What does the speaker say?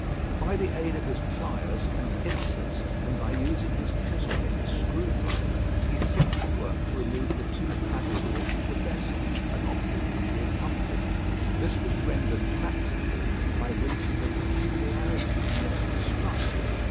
By the aid of his pliers and pincers, and by using his chisel as a screwdriver, he set to work to remove the two paddle wheels of the vessel; an object which he accomplished. This was rendered practicable by reason of a peculiarity in their construction.